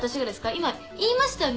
今言いましたよね？